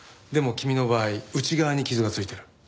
でも君の場合内側に傷がついてる。